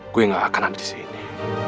gue gak akan ada di sini